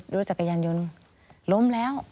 รถจักรยานยนต์ล้มแล้ว